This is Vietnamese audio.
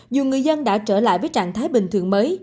dù người dân đã trở lại với trạng thái bình thường mới